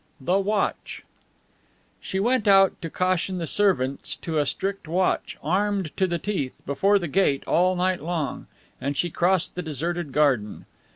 THE WATCH She went out to caution the servants to a strict watch, armed to the teeth, before the gate all night long, and she crossed the deserted garden.